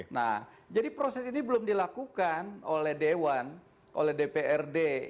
nah jadi proses ini belum dilakukan oleh dewan oleh dprd